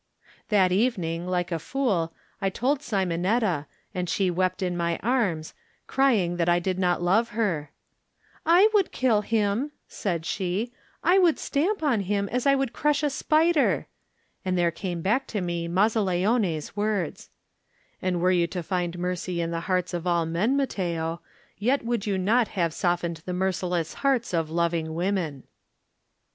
That evening, like a fool, I told Simon etta, and she wept in my arms, crying that I did not love her, "I would kill him,'* cried she; "I would stamp on him as I would crush a spider," and there came back to me Mazzaleone's words: "And were you to find mercy in the hearts of all men, Matteo, yet would you not have softened the merciless hearts of loving women."